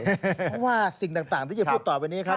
เพราะว่าสิ่งต่างที่จะพูดต่อไปนี้ครับ